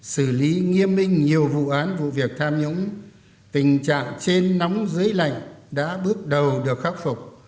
xử lý nghiêm minh nhiều vụ án vụ việc tham nhũng tình trạng trên nóng dưới lạnh đã bước đầu được khắc phục